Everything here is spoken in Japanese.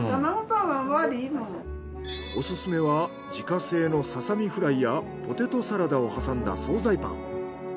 オススメは自家製のササミフライやポテトサラダをはさんだ惣菜パン。